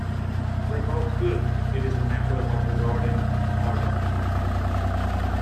Like all squirrels, it is a member of the rodent order.